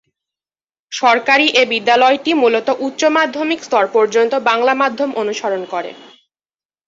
সরকারি এ বিদ্যালয়টি মূলত উচ্চ মাধ্যমিক স্তর পর্যন্ত বাংলা মাধ্যম অনুসরণ করে।